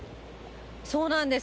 そうなんです。